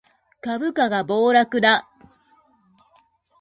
株価が暴落だ